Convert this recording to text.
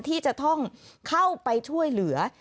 ที่จะต้องเข้าไปช่วยเหลือ